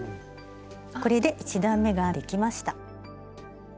これで１段めができました。